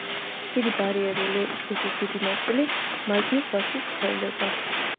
დიდი ბარიერული რიფის დიდი ნაწილი მარჯნის ზღვაში ვრცელდება.